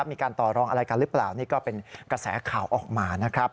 มีการต่อรองอะไรกันหรือเปล่านี่ก็เป็นกระแสข่าวออกมานะครับ